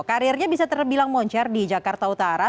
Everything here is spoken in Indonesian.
karirnya bisa terbilang moncer di jakarta utara